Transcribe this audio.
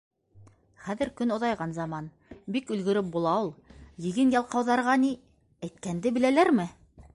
Хәҙер көн оҙайған заман, бик өлгөрөп була ул, йыйын ялҡауҙарға ни, әйткәнде беләләрме!